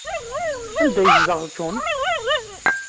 Anda ay yezdeɣ John?